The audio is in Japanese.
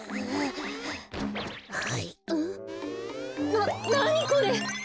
ななにこれ！？